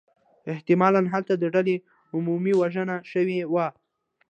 احتمالاً هلته د ډلې عمومی وژنه شوې وه.